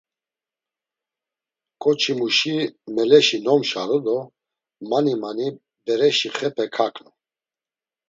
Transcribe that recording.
Ǩoçimuşi meleşi nomşaru do mani mani bereşi xepe kaǩnu.